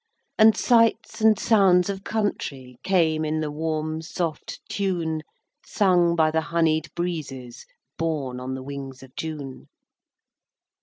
And sights and sounds of country Came in the warm soft tune Sung by the honey'd breezes Borne on the wings of June.